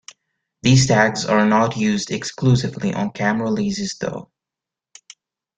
These tags are not used exclusively on cam releases though.